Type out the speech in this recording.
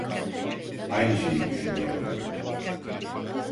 Aynı şeyi düşünüyordum.